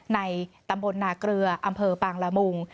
ในตำบลนาเกลืออำเภอปางละมุง